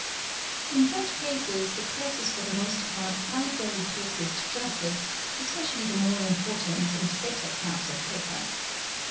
i _ In such cases the press is for the most part quite ready to assist | justice, especially the more important and better class of paper.